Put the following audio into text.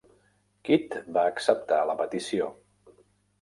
Kit va acceptar la petició.